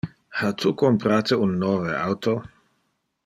Ha tu comprate un nove auto?